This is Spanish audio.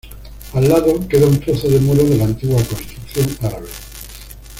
Al lado queda un trozo de muro de la antigua construcción árabe.